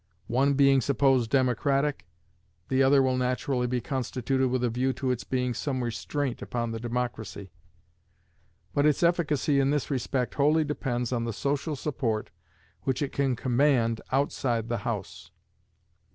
One being supposed democratic, the other will naturally be constituted with a view to its being some restraint upon the democracy. But its efficacy in this respect wholly depends on the social support which it can command outside the House.